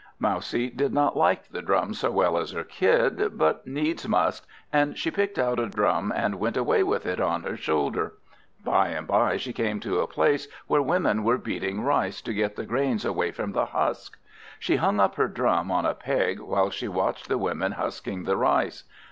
Mousie did not like the Drum so well as her Kid; but needs must, and she picked out a drum, and went away with it on her shoulder. By and by she came to a place where women were beating rice, to get the grains away from the husk. She hung up her Drum on a peg, while she watched the women husking the rice.